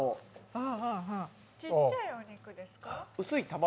ちっちゃいお肉ですか？